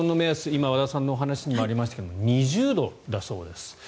今、和田さんのお話にもありましたが２０度だそうです。